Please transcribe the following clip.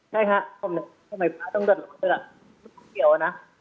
ใช่ค่ะทำไมพระต้องด้วยร้อนกับพระไม่ต้องเกี่ยวนะ